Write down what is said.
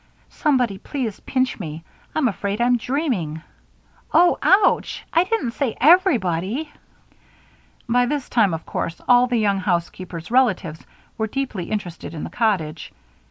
Somebody please pinch me I'm afraid I'm dreaming Oh! ouch! I didn't say everybody." By this time, of course, all the young housekeepers' relatives were deeply interested in the cottage.